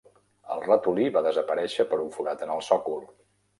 El ratolí va desaparèixer per un forat en el sòcol.